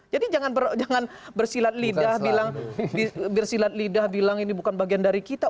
jadi jangan bersilat lidah bilang ini bukan bagian dari kita